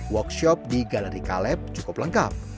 workshop di galeri caleb cukup lengkap